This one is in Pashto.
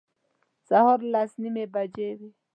سهار لس نیمې بجې وې.